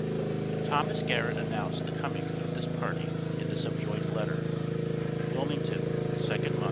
Thomas Garrett announced the coming of this party in the subjoined letter: WILMINGTON, 2 MO.